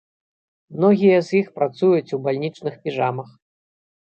Многія з іх працуюць у бальнічных піжамах.